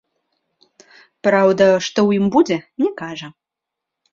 Праўда, што ў ім будзе, не кажа.